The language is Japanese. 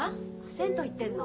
銭湯行ってんの。